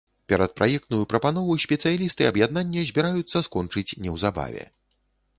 Перадпраектную прапанову спецыялісты аб'яднання збіраюцца скончыць неўзабаве.